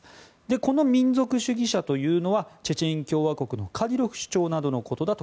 この民族主義者というのはチェチェン共和国のカディロフ首長のことだと